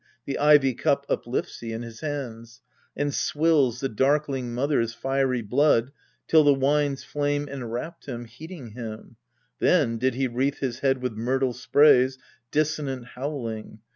The ivy cup uplifts he in his hands, And swills the darkling mother's fiery blood, Till the wine's flame enwrapped him, heating him. Then did he wreathe his head with myrtle sprays, Dissonant howling.